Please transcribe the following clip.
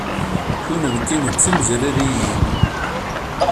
Kennemti d timeẓririyin?